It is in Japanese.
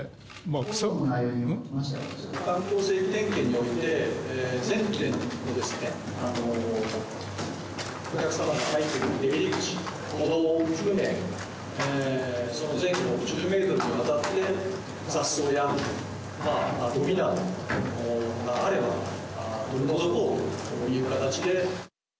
環境整備点検において、全店のお客様が入ってくる出入り口、歩道を含め、その前後１０メートルにわたって、雑草やごみなどがあれば取り除こうという形で。